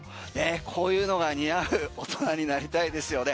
こういうのが似合う大人になりたいですよね。